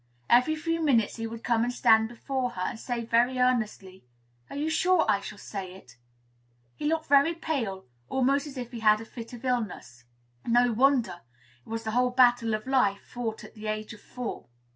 Every few minutes he would come and stand before her, and say very earnestly, "Are you sure I shall say it?" He looked very pale, almost as if he had had a fit of illness. No wonder. It was the whole battle of life fought at the age of four.